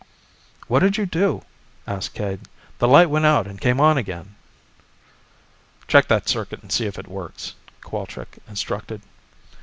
"What did you do?" asked Cade. "The light went out and came on again." "Check that circuit and see if it works," Cowalczk instructed.